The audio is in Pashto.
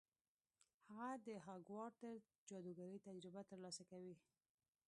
هغه د هاګوارتس جادوګرۍ تجربه ترلاسه کوي.